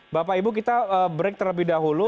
bapak ibu kita break terlebih dahulu